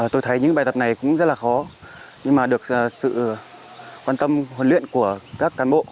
tôi thấy những bài tập này cũng rất là khó nhưng mà được sự quan tâm huấn luyện của các cán bộ